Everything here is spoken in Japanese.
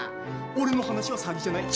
俺の話は詐欺じゃない。